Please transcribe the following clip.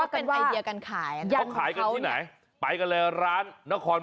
ก็หายที่ไหนไปกันเลยร้านน